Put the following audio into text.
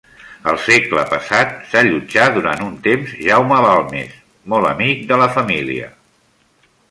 El segle passat s'allotjà durant un temps Jaume Balmes, molt amic de la família.